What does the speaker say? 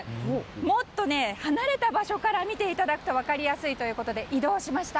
もっと離れた場所から見ていただくと分かりやすいので移動しました。